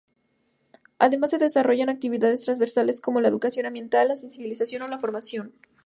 Además se desarrollan actividades transversales, como la educación ambiental, la sensibilización o la formación.